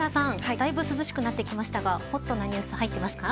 だいぶ涼しくなってきましたがホットなニュース入っていますか。